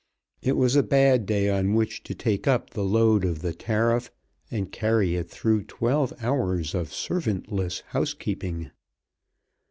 It was a bad day on which to take up the load of the tariff and carry it through twelve hours of servantless housekeeping.